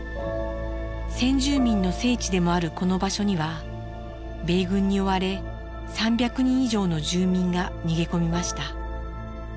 先住民の聖地でもあるこの場所には米軍に追われ３００人以上の住民が逃げ込みました。